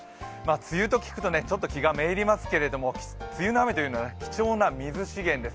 梅雨と聞くとちょっと気が滅入りますけれども梅雨の雨というのは貴重な水資源です。